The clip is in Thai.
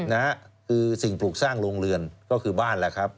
นะฮะคือสิ่งปลูกสร้างโรงเรือนก็คือบ้านแหละครับ